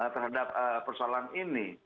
terhadap persoalan ini